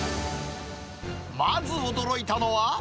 まず驚いたのは。